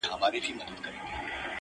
ماته زارۍ كوي چي پرېميږده ه ياره ـ